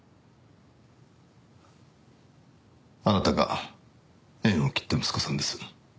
あなたが縁を切った息子さんです。